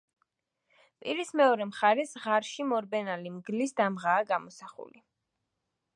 პირის მეორე მხარეს, ღარში მორბენალი მგლის დამღაა გამოსახული.